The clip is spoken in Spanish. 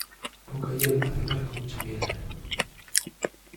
Poca hiel hace amarga mucha miel.